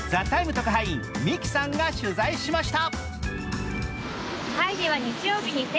特派員ＭＩＫＩさんが取材しました。